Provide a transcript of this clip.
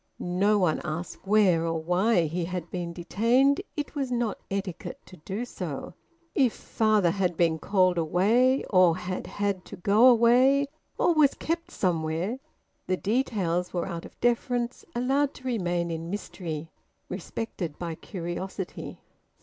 No one asked where or why he had been detained; it was not etiquette to do so. If father had been `called away,' or had `had to go away,' or was `kept somewhere,' the details were out of deference allowed to remain in mystery, respected by curiosity